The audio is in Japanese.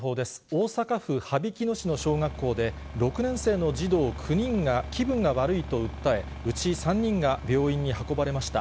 大阪府羽曳野市の小学校で、６年生の児童９人が気分が悪いと訴え、うち３人が病院に運ばれました。